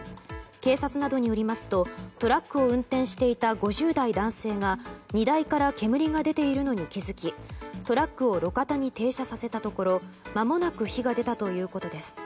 警察などによりますとトラックを運転していた５０代男性が荷台から煙が出ているのに気づきトラックを路肩に停車させたところまもなく火が出たということです。